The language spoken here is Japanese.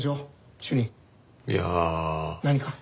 いやあ。何か？